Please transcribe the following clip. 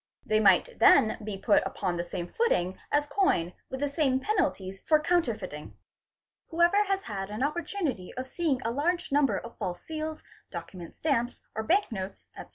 They might then be put upon the same footing as coin with the same penalties for counterfeiting. | Whoever has had an opportunity of seeing a large number of false seals, document stamps, or bank notes, etc.